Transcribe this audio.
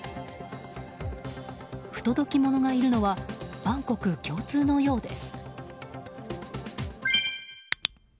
不届き者がいるのは万国共通のようです。